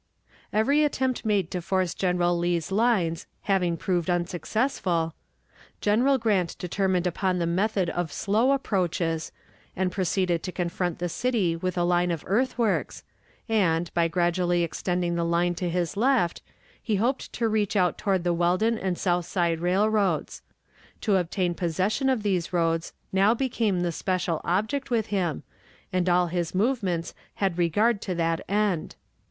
Every attempt made to force General Lee's lines having proved unsuccessful, General Grant determined upon the method of slow approaches, and proceeded to confront the city with a line of earthworks, and, by gradually extending the line to his left, he hoped to reach out toward the Weldon and Southside Railroads. To obtain possession of these roads now became the special object with him, and all his movements had regard to that end.